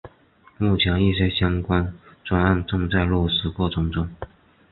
目前一些相关专案正在落实过程中。